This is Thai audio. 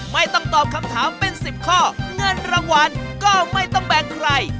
ไม่ต้องตอบคำถามเป็น๑๐ข้อเงินรางวัลก็ไม่ต้องแบ่งใคร